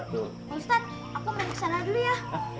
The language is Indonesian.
ustadz aku pergi ke sana dulu ya